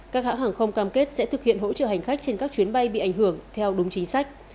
các hãng hàng không cam kết sẽ thực hiện hỗ trợ hành khách trên các chuyến bay bị ảnh hưởng theo đúng chính sách